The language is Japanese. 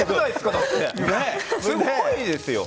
すごいですよ。